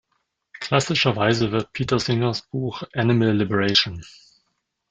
Klassischerweise wird Peter Singers Buch "Animal Liberation.